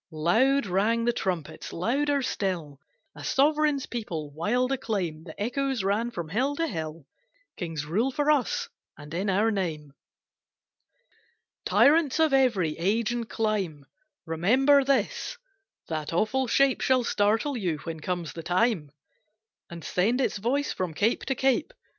Loud rang the trumpets; louder still A sovereign people's wild acclaim. The echoes ran from hill to hill, "Kings rule for us and in our name." Tyrants of every age and clime Remember this, that awful shape Shall startle you when comes the time, And send its voice from cape to cape.